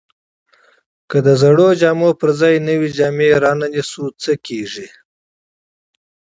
که د زړو جامو پر ځای نوې جامې ونه پیرل شي، څه کیږي؟